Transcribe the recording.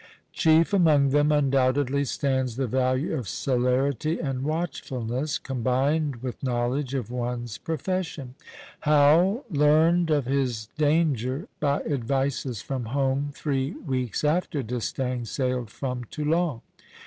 Chief among them undoubtedly stands the value of celerity and watchfulness, combined with knowledge of one's profession. Howe learned of his danger by advices from home three weeks after D'Estaing sailed from Toulon.